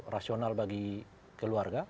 rasional bagi keluarga